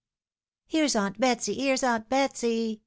" Here's aunt Betsy !— here's aunt Betsy!